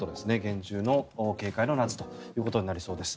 厳重の警戒の夏ということです。